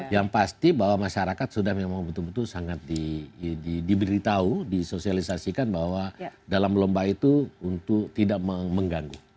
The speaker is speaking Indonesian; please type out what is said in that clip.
yang pasti bahwa masyarakat sudah memang betul betul sangat diberitahu disosialisasikan bahwa dalam lomba itu untuk tidak mengganggu